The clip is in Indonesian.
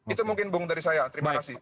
itu mungkin bung dari saya terima kasih